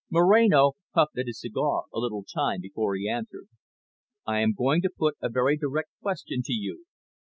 Moreno puffed at his cigar a little time before he answered. "I am going to put a very direct question to you.